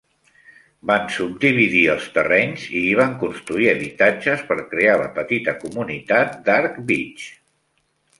Van subdividir els terrenys i hi van construir habitatges per crear la petita comunitat d'Arc Beach.